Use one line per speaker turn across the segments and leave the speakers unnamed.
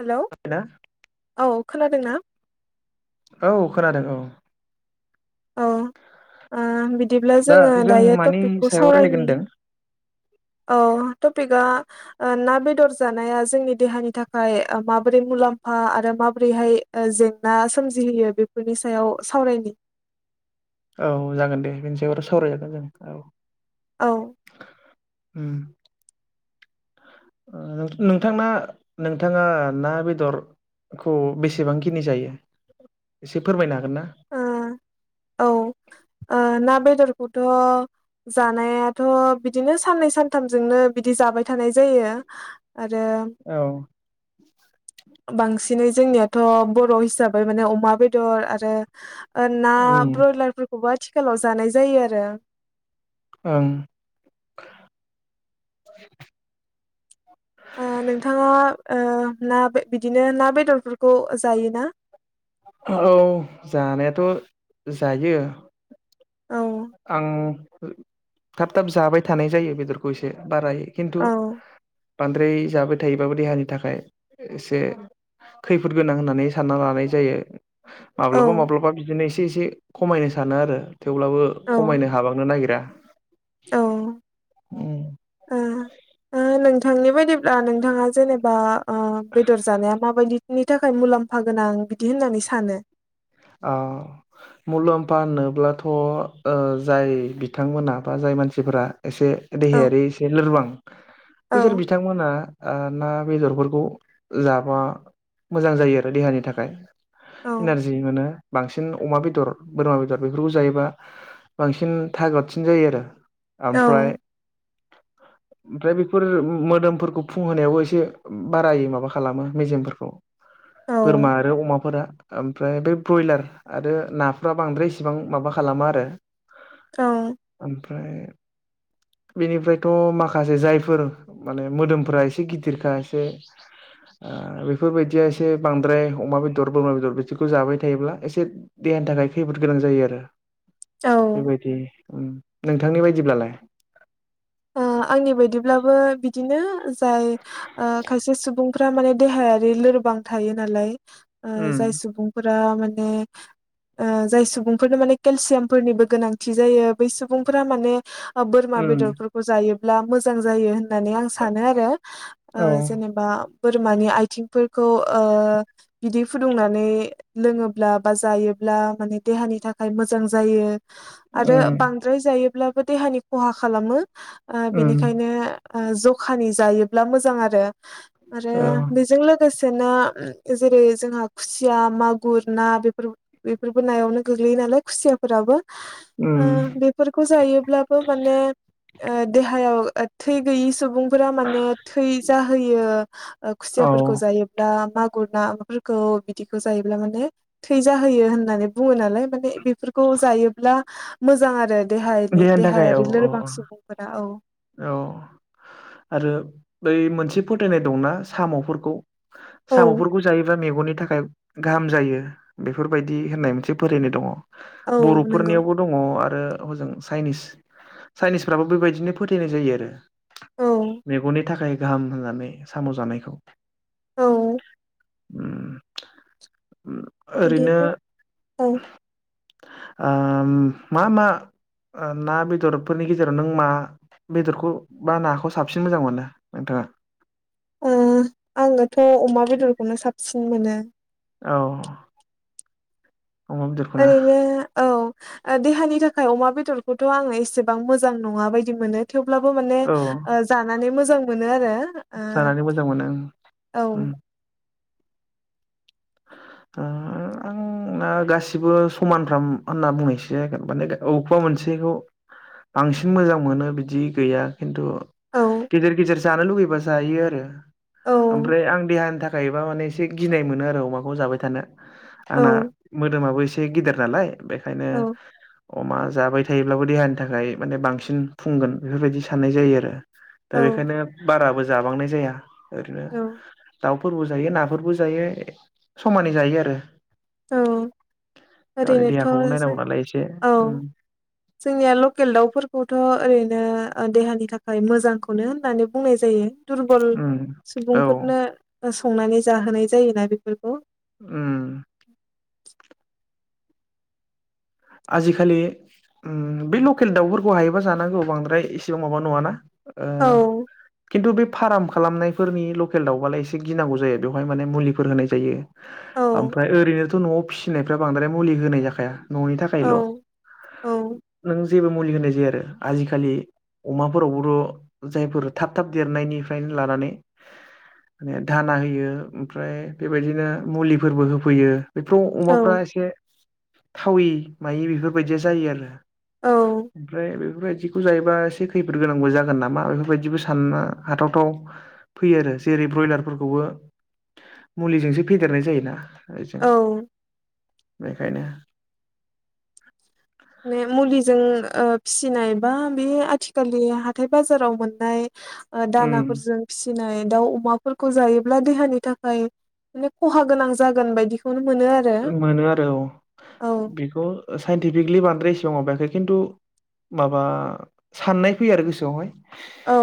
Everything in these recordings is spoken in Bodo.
हेलौ
ना
औ खोनादों ना?
औ खोनादों औ
ओ ओं बिदिब्ला
दा
जोङो
जों मानि
दायोटपिकखौ
सायाव रायलायगोन
सावरायनि।
होनदों?
औ टपिकआ ओ ना बेदर जानाया जोंनि देहानि थाखाय माबोरै मुलाम्फा आरो माबोरैहाय ओ जेंना सोमजिहोयो बेफोरनि सायाव सावरायनि
औ जागोन दे बेनि सायाव सावरायजागोन जों औ
औ ओ
उम ओ नोंथांना नोंथाङा ना बेदरखौ बेसेबांखिनि जायो एसे फोरमायनो हागोन ना?
औ ओ ना बेदरखौथ' जानायाथ' बिदिनो साननै सानथामजोंनो बिदि जाबाय थानाय जायो। आरो
औ
बांसिन इदिनो जोंनियाथ' बर' हिसाबै माने अमा बेदर आरो ओ ना
उम
ब्रयलारफोरखौबो आथि गोलाव जानाय जायो आरो
ओं
ओ नोंथाङा ओ ना बि-बिदिनो ना बेदरफोरखौ जायोना
औ जानायाथ' जायो।
औ
आं थाब थाब जाबाय थानाय जायो बेदरखौ एसे बाराय खिन्थु
औ
बांद्राय जाबाय थाइयोबाबो देहानि थाखाय एसे खैफोद गोनां होननानै सानना लानाय जायो।
औ
माब्लाबा माब्लाबा बिदिनो एसे एसे खमायनो सानो आरो थेवब्लाबो
औ
खमायनो हाबांनो नागिरा
औ ओ ओ नोंथांनि बायदिब्ला नोंथाङा जेनेबा? बेदर जानाया माबायदि नि थाखाय मुलाम्फा गोनां बिदि होननानै सानो?
ओ मुलाम्फा होनोब्लाथ' जाय बिथांमोना बा जाय मानसिफोरा एसे
औ
देहायारि एसे लोरबां
औ
बैसोर बिथांमोना ना बेदरफोरखौ जा मा मोजां जायो आरो देहानि थाखाय
औ
इनारजि मोनो । बांसिन अमा बेदर बोरमा बेदर बेफोरखौ जायोबा बांसिन थाग्रथसिन जायो आरो ओमफ्राय
औ
ओमफ्राय बेफोर मोदोमफोरखौ फुंहोनायावबो एसे बारायो माबा खालामो मेजेमफोरखौ बोरमा
औ
आरो अमाफोरा ओम फ्राय बे ब्रयलार आरो नाफ्रा बांद्राय इसिबां माबा खालामा आरो
औ
। ओम । फ्राय बेनिफ्रायथ' माखासे जायफोर माने मोदोमफोरा एसे गिदिरखा एसे ओ बेफोरबायदिया एसे बांद्राय अमा बेदर बोरमा बेदर बिसोरखौ जाबाय थायोब्ला एसे देहानि थाखाय खैफोद गोनां जायो आरो ।
औ
बेबायदि ओम नोंथांनि बायदिब्लालाय?
ओ आंनि बायदिब्लाबो बिदिनो । जाय ओ खायसे सुबुं फ्रा माने देहायारि लोरबां थायो नालाय । ओ
उम
जाय सुबुंफोर फ्रा माने ओ जाय सुबुंफोरनो माने केलसियामफोरनिबो गोनांथि जायो बै सुबुंफोरा माने बा बोरमा
उम
बेदरफोर खौ जायोब्ला मोजां जायो होन नानै आं सानो आरो ओ
औ
जेनेबा बोरमानि आथिंफोरखौ ओ बिदै फुदुंनानै लोङोब्ला बा जायोब्ला माने देहानि थाखाय मोजां जायो । आरो
उम
बांद्राय जायो ब्लाबो देहानि खहा खालामो । ओ
उम
बिनिखायनो ओ जखानि जायोब्ला मोजां आरो ।
औ
आरो बेजों लोगोसे दाना जेरै जोंहा खुसिया मागुर ना बेफोर बेफोरबो नायावनो गोग्लैयो नालाय खुसियाफोराबो ।
उम
ओ बेफोरखौ जायोब्लाबो माने ओ देहायाव ओ थै गैयै सुबुं फोरा माने थै जाहोयो ओ
औ
खुसियाफोरखौ जायोब्ला माग गुर नाफोरखौ बिदिखौ जायोब्ला माने थैजाहोयो होननानै बुङो नालाय माने बेफोरखौ जायोब्ला मोजां आरो देहानि
थाखाय औ
देहायारि
औ
लोरबां सुबुं
औ आरो बै मोनसे फोथायनाय दंना साम'फोरखौ साम'फोरखौ जायोबा मे गननि थाखाय गाहाम जायो बेफोरबायदि होननाय मोनसे फोथानाय दङ।
औ नंगौ
बर'फोरनियावबो दङ आ रो हजों चाइनिस चाइनिसफ्राबो बेबायदिनो फोथायनाय जायो आरो।
औ
मेगननि थाखाय गाहाम होननानै साम' जानायखौ
औ।
उम। ओरैनो
बिदिनो औ।
ओम मा मा? ओ ना बेदरफोरनि गेजेराव नों मा बेदरखौ बा नाखौ साबसिन मोजां मोनो नोंथाङा?
ओ आङोथ' अमा बेदरखौनो साबसिन मोनो।
औ। अमा बेदरखौना
ओरैनो औ ओ देहानि थाखाय अमा बेदर खौथ' आङो एसेबां मोजां नङा बायदि मोनो। थेवब्लाबो माने
औ
ओ जानानै मोजां मोनो आरो।
जानानै मोजां मोनो ओं
ओ
उम। ओ आंना गासिबो समानफ्राम होनना बुंनायसो जागोन माने अबेखौबा मोनसेखौ बांसिन मोजां मोनो बिदि गैया खिन्थु
औ
गेजेर गेजेर जानो लुुबैबा जायो आरो
औ
ओमफ्राय आं देहानि थाखायबा माने एसे गिनाय मोनो आरो अमा खौ जाबाय थानो।
औ
आंना मोदोमाबो इसे गिदिर नालाय। बेखायनो
औ
अमा जाबाय थायोब्लाबो देहानि थाखाय माने बांसिन फुंगोन बेफोरबायदि साननाय जायो आरो। दा
औ
बेखायनो बाराबो जाबांनाय जाया। ओरैनो
औ
दाउफोरबो जायो नाफोरबो जायो। समानै जायो आरो।
औ ओरैनोथ'
देहाखौबो
जों
नायनांगौ नालाय एसे
औ
उम
जोंनिया लकेल दाउफोरखौथ' ओरैनो ओ देहानि थाखाय मोजांखौनो होननानै बुंनाय जायो। दुरबल
उम औ
सुबुंफोरनो संनानै जाहोनाय जायोना बेफोरखौ।
उम।
[inaudible]
आजिखालि उम बे लकेल दाउफोरखौ हायोबा जानांगौ बांद्राय एसेबां माबा नङाना। ओ
औ
खिन्थु बे फाराम खालामनाय फोरनि लकेल दाउबालाय एसे गिनांगौ जायो बेहाय माने मुलिफोर होनाय जायो।
औ
ओमफ्राय ओरैनोथ' न'आव फिनायफ्रा बांद्राय मुलि होनाय जाखाया। न'नि
औ
थाखायल'
औ
नों जेबो मुलि होनाय जाया आरो। आजिखालि अमाफोरावबोथ' जायफोर थाब थाब देरनायनिफ्रायनो लानानै माने दाना होयो ओमफ्राय बेबायदिनो मुलिफोरबो होफैयो। बेफोराव अमाफ्रा
औ
एसे थावयि [unintelligible] बेफोरबायदिया जायो आरो‌। ओमफ्राय बेफोरदि बेखौ जायोबा एसे खैफोद गोनांबो जागोन नामा बेफोरबायदिबो सानना हाथावथाव फैयो आरो। जेरै बयलारफोरखौबो मुलिजोंसो फेदेरनाय जायोना। बेजों
औ औ
बेखायनो [inaudible]
माने मुलिजों ओ फिसिनाय बा बे आथिखालनि हाथाय बाजाराव मोननाय ओ
उम
दानाफोरजों फिसिनाय दाउ अमाफोरखौ जायोब्ला देहानि थाखाय माने खहा गोनां जागोन बायदि
मोनो आरो अ।
औ
बेखौ साइन्टिफिकलि बानाय [unintelligible] इसिबां माबायाखै खिन्थु माबा साननाय फैयो आरो गोसोआवहाय।
औ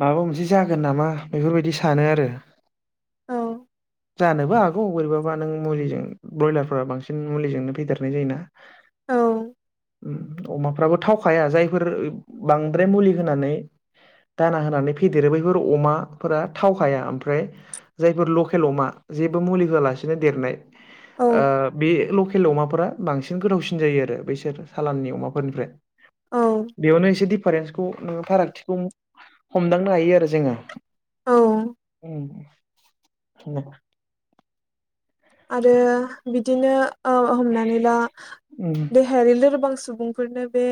माबा मोनसे जागोन नामा बेफोरबायदि सानो आरो।
औ
जानोबो हागौ बोरैबाबा नों मुलिजों बयलारफोरा बांसिन मुलिजोंनो फेदेरनाय जायोना।
औ
ओम अमाफ्राबो थावखाया जायफोर बांद्राय मुलि होनानै दाना होनानै फेदेरो बैफोर अमाफोरा थावखाया। ओमफ्राय जायफोर लकेल अमा जेबो मुलि होआलासिनो देरनाय
औ
ओ बे लकेल अमाफोरा बांसिन गोथावसिन जायो आरो बैसोर सालाननि अमाफोरनिफ्राय
औ
बेयावनो एसेदि फारेन्सखौ नोङो फारागथिखौ हमदांनो हायो आरो जोङो।
औ
उम [inaudible]
आरो बिदिनो ओ हमनानै ला देहायारि लोरबांसिन सुबुंफोरनो बे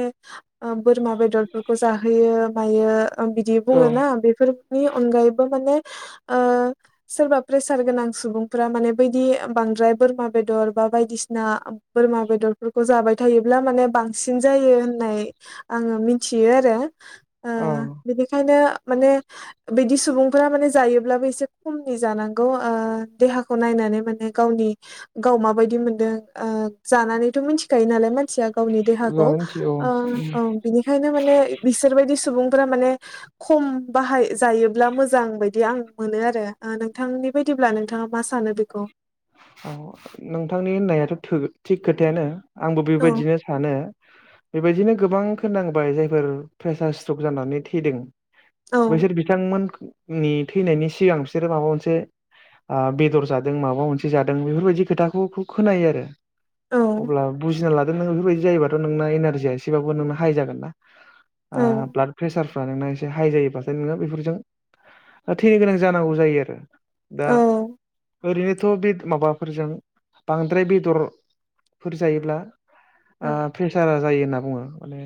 ओ बोरमा बेदरफोरखौ जाहोयो मायो ओ बिदि
औ
बुङोना बेफोर नि अनगायैबो माने ओ सोरबा प्रेसार गोनां सुबुंफोरा माने बैदि बांद्राय बोरमा बेदर बा बायदिसिना बोरमा बेदरफोरखौ जाबाय थायोब्ला माने बांसिन जायो होननाय आङो मिथियो आरो। ओ
औ
बिनिखायनो माने बिदि सुबुंफोरा माने जायोब्लाबो एसे खमनि जानांगौ ओ देहाखौ नायनानै माने। गावनि गाव माबायदि मोनदों जानानैथ' मिथिखायो नालाय मानसिया। गावनि देहाखौ
जोंहानो मिथियो औ उम
बिनिखायनो माने बिसोरबायदि सुबुं फोर माने खम बाहाय जायोब्ला मोजां बायदि आं मोनो आरो नोंथांनि बायदिब्ला नोंथाङा मा सानो बेखौ।
औ नोंथांनि होननायाथ' थो थिग खोथायानो। आंबो
औ
बेबायदिनो सानो। बेबायदिनो गोबां खोननांबाय जायफोर प्रेसार स्ट्रक जानानै थैदों।
औ
बैसोर बिथांमोन थैनायनि सिगां बिसोरो माबा मोनसे बेदर जादों माबा मोनसे जादों बेफोरबायदि खोथाखौ खोनायो आरो।
औ
अब्ला बुजिना लादो नोङो बेफोरबायदि ओरैबाथ' नोंना एनारजिया एसेबाबो नोंना हाइ जागोन ना। ओ
औ
ब्लाद प्रेसारफ्रा नोंना एस हाइ जायोब्लाथाय नोङो बेफोरजों थैनो गोनां जानांगौ जायो आरो। दा
औ
ओरैनो थ' बे माबाफोरजों बांद्राय बेदरफोर जायोब्ला
औ
फेसारा जायो। होनना बुङो माने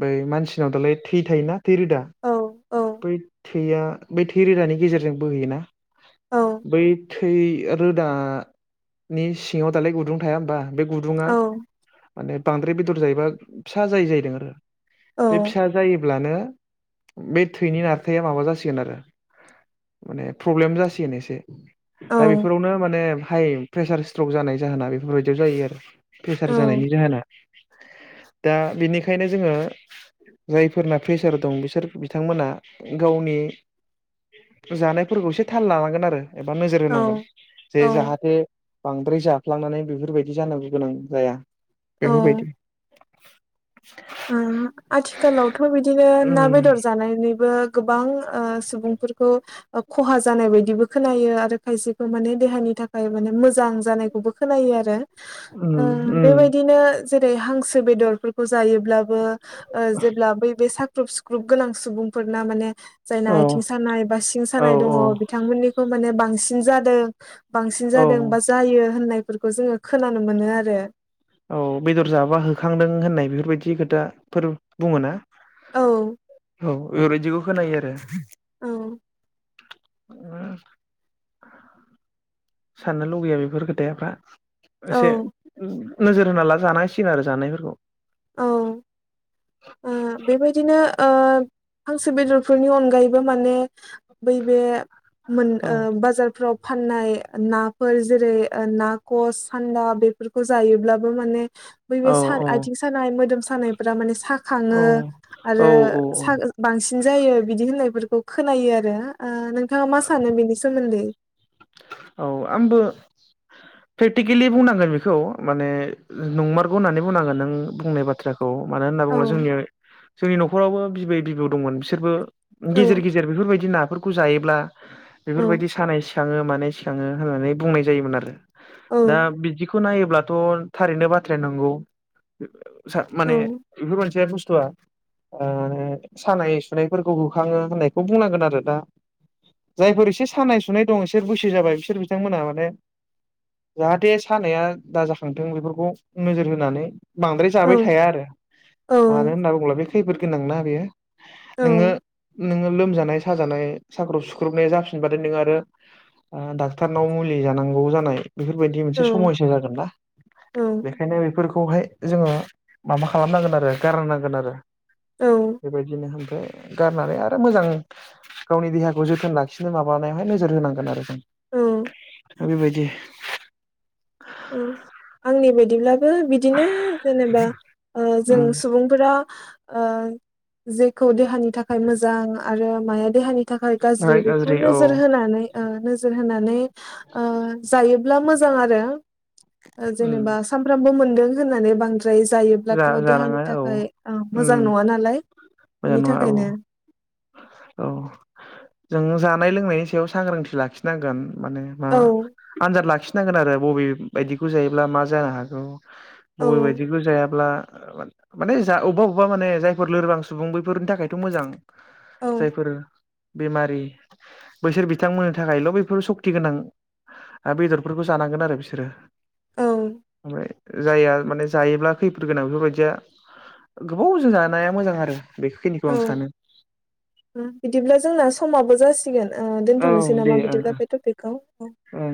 बै मानसिनाव दालाय थै थायोना थै रोदा
औ औ
बै थैया बै थै रोदानि गेजेरजों बोहैयोना।
औ
बै थै रोदानि सिङाव दालाय गुदुं थाया होमबा। बे गुदुुंङा
औ
माने बांद्राय बे दर जायोबा फिसा जायो जाहैदों आरो। बे फिसा जायोब्लानो बे थैनि नारथाया माबा जासिगोन आरो माने प्रब्लेम जासिगोन एसे। दा बे
औ
बेफोरावनो माने हाइ प्रेसार स्ट्रक जानाय जाहोना बेफोरबायदियाव जायो आरो प्रेसार
औ
जानायनि जाहोना दा बेनिखायनो जोङो जायफोरना प्रेसार दं बिसोर बिथांमोना गावनि जानायफोरखौ एसे थाल लानांगोन आरो एबा नोजोर
औ
होनांगोन।
औ
बे जाहाथे बांद्राय जाफ्लांनानै बेफोरबायदि जानांगौ गोनां जाया।
औ
बेफोरबायदि
उम आथिखालावथ' बिदिनो ना
उम
बेदर जानानैबो गोबां ओ सुबुंफोरखौ ख'हा जानाय बायदिबो खोनायो आरो खायसेखौ माने देहानि थाखाय माने मोजां जानायखौबो खोनायो आरो
उम
ओ
उम
बेबायदिनो जेरै हांसो बेदरफोरखौ जायो ओ जेब्ला बै साख्रुबसिग्रुप गोनां सुबुंफोरना माने जायना
औ
आथिं सानायबा
औ
सिंसानाय दङ
औ
बिथांमोनिखौ माने बांसिन जादों बांसिन
औ
जादों बा जायो होननाय फोरफोरखौ जोङो खोनानो मोनो आरो ।
औ बेदर जाबा होखांदों होननाय बेफोरबायदि खोथाफोर बुङो ना
औ
। औ। बेफोरबायदिखौ खोनायो आरो ।
औ
[unintelligible] साननो लुगैयो बेफोर खोथायाफ्रा । एसे
औ
नोजोर होना ला जानांसिगोन आरो जानायफोरखौ ।
औ ओ बेबायदिनो । ओ हांसो बेदरफोरनि अनगायैबो माने बैबे मोन
औ
बाजारफ्राव फाननाय नाफोर जेरै ना कच, सान्दा बेफोरखौ जायोब्लाबो माने बै बे
औ
सा
औ
आथिं सानाय [unintelligible] मोदोम सानायफोरा माने सा
औ
खाङो
औ
आरो
औ
बांसिन बिदिनो जायो बिदि होननायफोरखौ खोनायो आरो । ओ नोंथाङा मा सानो बेनि सोमोनदै
औ आंबो प्रेक्टिकेलि बुंनांगोन बेखौ माने नंमारगौ होननानै बुंनांगोन नों बुंनाय बाथ्रा खौ मानो होनना
औ
बुब्ला जोंनिया जोंनि न'खरावबो बिबै बिबौ दंमोन बिसोरबो
औ
गेजेर गेजेर बेफोरबायदि ना बेफोरफोरखौ जायोब्ला
औ
बेफोरबायदि सानाय सिखाङो । [unintelligible] मानाय सिखाङो होननानै बुंनाय जायोमोन आरो । दा
औ
बिदिखौ नायोब्ला थ' थारैनो बाथ्राया नंगौ। [unintelligible]
औ
माने बेफोर मोनसे बुस्थुआ सानाय सुनायफोरखौ होखाङो होननायखौ बुंनांगोन आरो दा जायफोर एसे सानाय सुनाय दं। बिसोर बैसो जाबाय बिसोर बिथांमोनहा माने जाहाथे सानाया दाजाखांथों बेफोरखौ नोजोर होनानै बांद्राय
औ
जाबाय थाया आरो
औ
मानो होनना बुङोब्ला बे खैफोद गोनांना। बेयो। नोङो
औ
नोङो लोमजानाय। साजानाय साग्रुब सुख्रुबनाया जाफिनबथाय नोङो आरो। डाक्टरनाव मुलि जानांगौ जानाय। बेफोरबायदि मोनसे समयसा जागोननाा बेखायनो बेफोरखौहाय। जोङो माबा खालामनांगोन आरो गारनांगोन आरो।
औ
बेबायायदिनो। गारनानै आरो मोजां गावनि देहाखौ जोथोन लाखिनो माबानायावाय। नोज होनांगोन आरो जों।
औ
दा बेबायदि।
औ आंनि बायदिब्ला। बिदिनो जेनेबा जों सुबुंफोरा। ओ जेखौ देहानि थाखाय मोजां आरो माया देहानि। थाखाय गाज्रि
ओमफ्राय
बेखौ
औ
नोजोर होनानै। [inaudible] आ जायो। ब्ला मोजां आरो। जेनेबा सामफ्रामबो मोन। दों होननानै बांद्राय।
जा
जायोब्लाथ' देहानि
जानाङा औ
थाखाय
उम
मोजां नङा नालाय
मोजां
बिनि
नङा औ
थाखायनो।
औ जों जानाय लोंनायनि सायाव सांग्रांथि लाखिनांगोन। माने मा
औ
आनजाद लाखिनो। खिनांगोन आरो बबे बायदिखौ जायोब्ला मा जानो हागौ।
औ
बबे बायदिखौ जायाब्ला। माने जा अबेबा अबेबा माने जायफोर लोरबां सुबुं बैफोरनि थाखायथ' मोजां।
औ
जायफोर। बेमारि बैसोर बिथांमोननि थाखायल' बेफोर सक्ति गोनां ओ बेदरफोरखौ जानांगोन आरो बिसोरो।
औ
ओमफ्राय। जायया माने जायोब्ला खैफोद गोनां बेफोरबायदिया गोबाव जों जानाया मोजां आरो। बेखिनिखौ
औ
आं सानो।
बिदिब्ला जोंना समाबो जासि गोन ओ दोनथ'नोसै
दे
नामा
ओं
बिदिब्ला
ओं
बे टपिकखौ।
औ